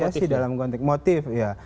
ya sih dalam konteks motif ya